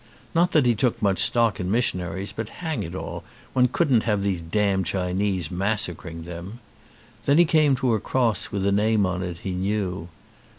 Not that he took much stock in mission aries; but, hang it all, one couldn't have these damned Chinese massacring them. Then he came to a cross with a name on it he knew.